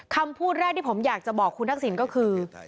คำพูดแรกที่ผมอยากจะบอกคุณทักษิณก็คือ